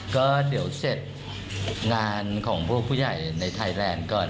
ก็เดี๋ยวเสร็จงานของพวกผู้ใหญ่ในไทยแลนด์ก่อน